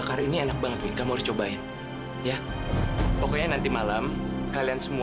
aku gak mau hilang kamu